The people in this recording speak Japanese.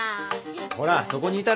ほらそこにいたら邪魔。